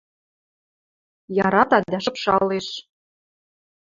Ярата дӓ шыпшалеш.